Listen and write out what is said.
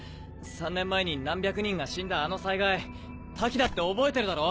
３年前に何百人が死んだあの災害瀧だって覚えてるだろ？